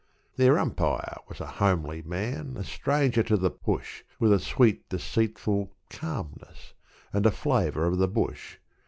Their umpire was a homely man, a stranger to the push, With a sweet, deceitful calmness, and a flavour of the bush.